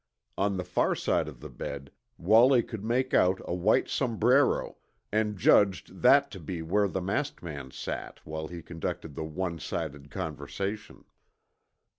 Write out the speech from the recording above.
On the far side of the bed Wallie could make out a white sombrero, and judged that to be where the masked man sat while he conducted the one sided conversation.